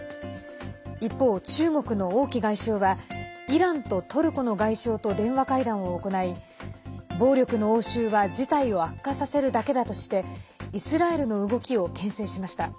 一方、中国の王毅外相はイランとトルコの外相と電話会談を行い、暴力の応酬は事態を悪化させるだけだとしてイスラエルの動きをけん制しました。